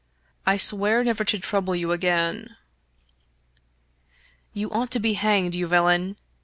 " I swear never to trouble you again." " You ought to be hanged, you villain.